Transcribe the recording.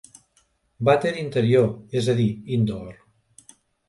Vàter interior, és a dir, indoor.